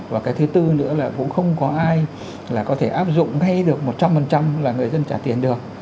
và cái thứ tư nữa là cũng không có ai là có thể áp dụng hay được một trăm linh là người dân trả tiền được